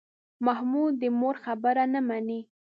محمود د مور خبرې نه مني.